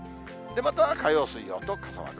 また、火曜、水曜と傘マーク。